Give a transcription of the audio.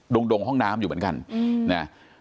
งดงห้องน้ำอยู่เหมือนกันนะ